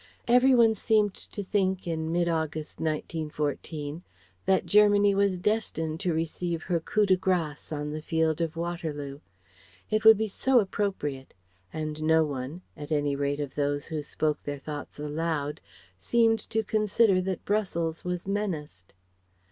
Every one seemed to think in mid August, 1914, that Germany was destined to receive her coup de grâce on the field of Waterloo. It would be so appropriate. And no one at any rate of those who spoke their thoughts aloud seemed to consider that Brussels was menaced.